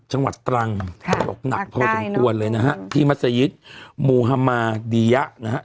จังหวัดตรังเขาบอกหนักพอสมควรเลยนะฮะที่มัศยิตมูฮามาดียะนะฮะ